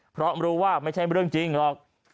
เพราะรู้ว่าไม่ใช่เรื่องจริงหรอก